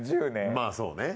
まぁそうね。